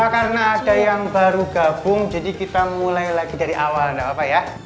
karena ada yang baru gabung jadi kita mulai lagi dari awal gak apa apa ya